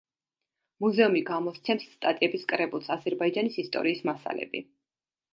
მუზეუმი გამოსცემს სტატიების კრებულს „აზერბაიჯანის ისტორიის მასალები“.